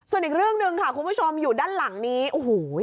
ส่วนอีกเรื่องหนึ่งค่ะคุณผู้ชมอยู่ด้านหลังนี้โอ้โห